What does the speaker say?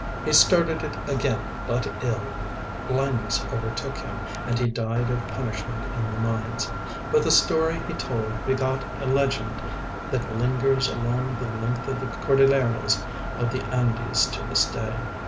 He started it again but ill, blindness overtook him, and he died of punishment in the mines; but the story he told begot a legend that lingers along the length of the Cordilleras of the Andes to this day.